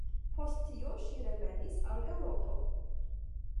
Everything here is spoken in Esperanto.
Post tio ŝi revenis al Eŭropo.